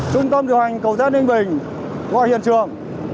trung tâm điều hành cầu xét ninh bình qua hiện trường